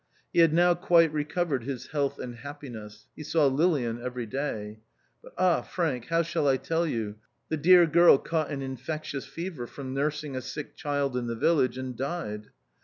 He had now quite re covered his health and happiness ; he saw Lilian every day ; but ah, Frank, how shall I tell you, the dear girl caught an infectious fever from nursing a sick child in the village, and died.